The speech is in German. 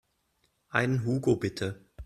Einen Hugo bitte.